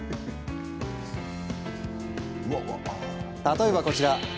例えば、こちら。